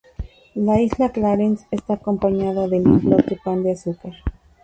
La isla Clarence está acompañada del islote Pan de Azúcar.